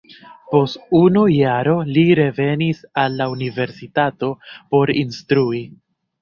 Post unu jaro li revenis al la universitato por instrui.